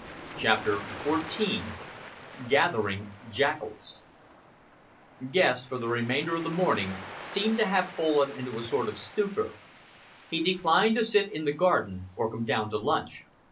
CHAPTER XIV GATHERING JACKALS Guest for the remainder of the morning seemed to have fallen into a sort of stupor. He declined to sit in the garden or come down to lunch.